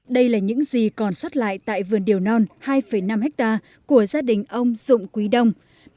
đây là những gì còn sót lại tại vườn điều non hai năm hectare của gia đình ông dụng quý đông